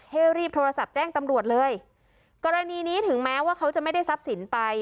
ให้รีบโทรศัพท์แจ้งตำรวจเลยกรณีนี้ถึงแม้ว่าเขาจะไม่ได้ทรัพย์สินไป